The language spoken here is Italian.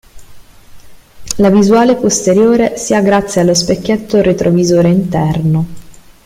La visuale posteriore si ha grazie allo specchietto retrovisore interno.